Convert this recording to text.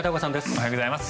おはようございます。